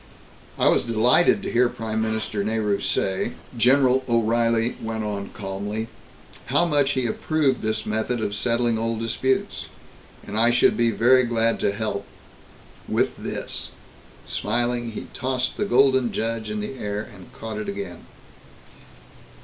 "I was delighted to hear Prime Minister Nehru say," General O'Reilly went on calmly, "how much he approved this method of settling old disputes. And I should be very glad to help with this." Smiling, he tossed the Golden Judge in the air and caught it again.